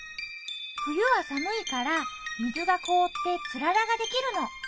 冬は寒いから水が凍ってつららができるの。